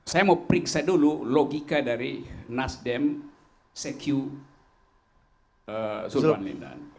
saya mau periksa dulu logika dari nasdem secure sulawesi